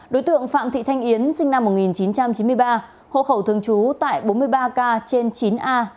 đối tượng phạm thị thanh yến sinh năm một nghìn chín trăm chín mươi ba hộ khẩu thường trú tại bốn mươi ba k trên chín a